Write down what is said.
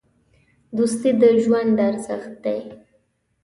دوستي د ژوند ارزښت دی.